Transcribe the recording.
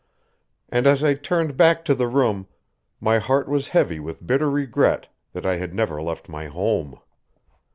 And as I turned back to the room my heart was heavy with bitter regret that I had ever left my home.